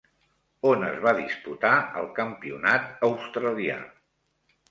On es va disputar el Campionat Australià?